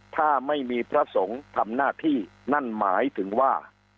ถ้าไม่มีพระสงฆ์ทำหน้าที่นั่นหมายถึงว่า